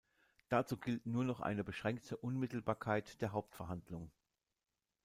Dazu gilt nur noch eine beschränkte Unmittelbarkeit der Hauptverhandlung.